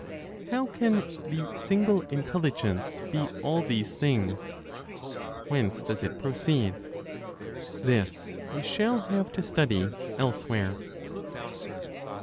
How can (the single) Intelligence be all these things? Whence does it proceed? This we shall have to study elsewhere.